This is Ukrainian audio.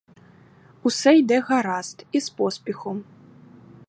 Усе йде гаразд і з поспіхом.